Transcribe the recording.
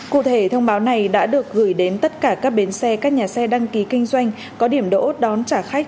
cụ thể thông báo này đã được gửi đến tất cả các bến xe các nhà xe đăng ký kinh doanh có điểm đỗ đón trả khách